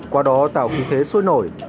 qua đó tạo kinh tế sôi nổi